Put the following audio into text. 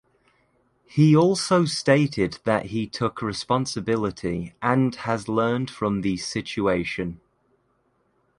He also stated that he took responsibility and has learned from the situation.